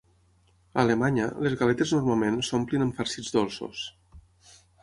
A Alemanya, les galetes normalment s'omplen amb farcits dolços.